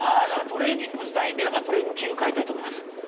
トレーニングしたいんでトレーニング器具買いたいと思います。